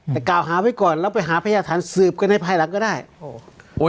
แต่กล่าวหาไว้ก่อนแล้วไปหาพยาฐานสืบกันในภายหลังก็ได้โอ้โห